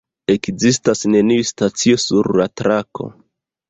Ekzistas neniu stacio sur la trako.